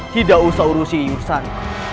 tidak usah urusi iusan